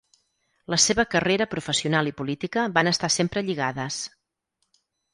La seva carrera professional i política van estar sempre lligades.